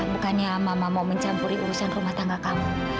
bukannya mama mau mencampuri urusan rumah tangga kamu